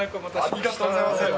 ありがとうございます。